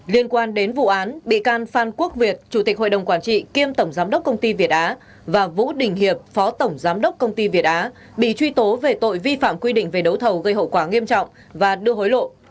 liên quan đến vụ án bị can phan quốc việt chủ tịch hội đồng quản trị kiêm tổng giám đốc công ty việt á và vũ đình hiệp phó tổng giám đốc công ty việt á bị truy tố về tội vi phạm quy định về đấu thầu gây hậu quả nghiêm trọng và đưa hối lộ